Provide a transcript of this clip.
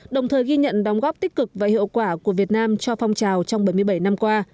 đồng thời ghi nhận đóng góp tích cực và hiệu quả của việt nam cho phong trào trong bảy mươi bảy năm qua